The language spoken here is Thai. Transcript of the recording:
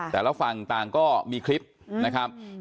แต่ละฝั่งต่างก็มีคลิปนะครับ